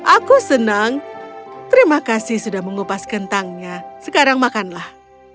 aku senang terima kasih sudah mengupas kentangnya sekarang makanlah